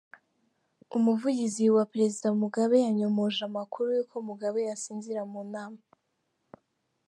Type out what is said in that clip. Umuvugizi wa Perezida Mugabe yanyomoje amakuru y’ uko Mugabe asinzira mu nama.